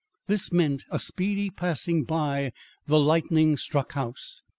This meant a speedy passing by the lightning struck house.